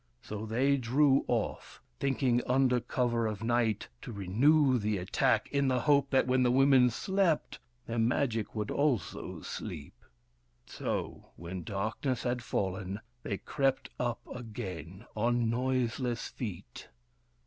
So they drew off, thinking under cover of night to renew the attack in the hope that when the women slept their Magic would also sleep. So, when darkness had fallen, they crept up again, on noiseless feet.